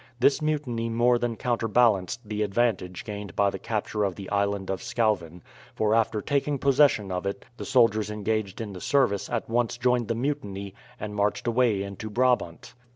This mutiny more than counterbalanced the advantage gained by the capture of the Island of Schouwen, for after taking possession of it the soldiers engaged in the service at once joined the mutiny and marched away into Brabant.